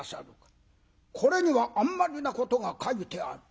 これにはあんまりなことが書いてある。